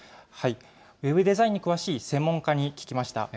ウェブデザインに詳しい専門家に聞きました。